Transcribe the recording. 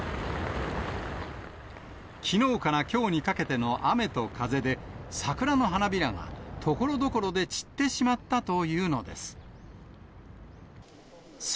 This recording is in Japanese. きのうからきょうにかけての雨と風で、桜の花びらがところどころで散ってしまったというのです。